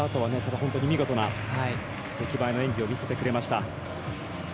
本当に見事な出来栄えの演技を見せてくれました。